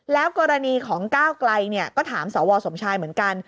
แล้วกรณีของก้าวไกลก็ถามสวสมชายเหมือนกัน